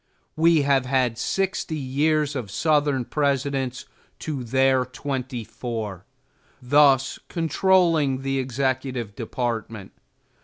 We have had sixty years of Southern Presidents to their twenty four, thus controlling the executive department.